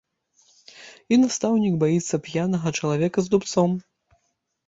І настаўнік баіцца п'янага чалавека з дубцом.